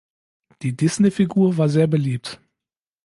Die Disney-Figur war sehr beliebt.